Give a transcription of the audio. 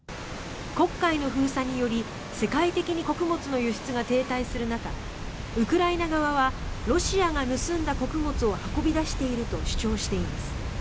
黒海の封鎖により世界的に穀物の輸出が停滞する中ウクライナ側はロシアが盗んだ穀物を運び出していると主張しています。